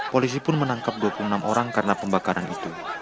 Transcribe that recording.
polisi pun menangkap dua puluh enam orang karena pembakaran itu